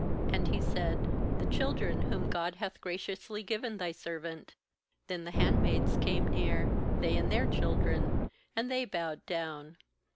And he said: 'The children whom God hath graciously given thy servant.' 6Then the handmaids came near, they and their children, and they bowed down.